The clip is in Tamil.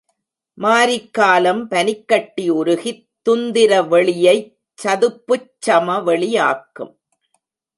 மாரிக்காலம் பனிக்கட்டி உருகித் துந்திர வெளியைச் சதுப்புச் சமவெளி யாக்கும்.